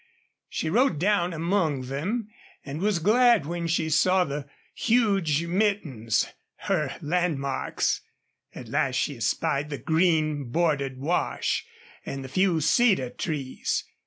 She rode down among them, and was glad when she saw the huge mittens her landmarks. At last she espied the green bordered wash and the few cedar trees.